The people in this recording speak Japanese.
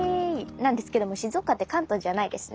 なんですけども静岡って関東じゃないですね。